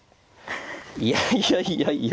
いやいやいやいや。